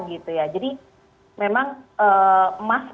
jadi memang emas monyet